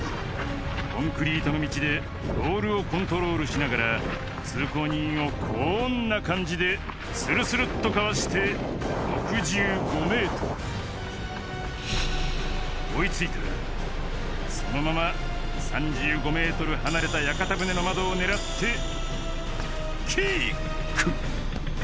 コンクリートの道でボールをコントロールしながら通行人をこんな感じでスルスルっとかわして６５ｍ追い付いたらそのまま３５ｍ離れた屋形船の窓を狙ってキック！